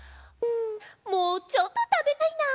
んもうちょっとたべたいな。